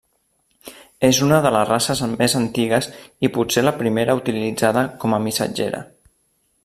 És una de les races més antigues i potser la primera utilitzada com a missatgera.